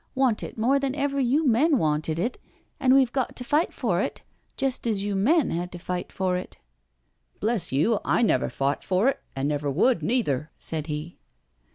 '* Want it more than ever you men wanted it, an' we've got to fight for it, jest as you men had to fight for it." " Bless you, I never fought for it, and never would neither," said he.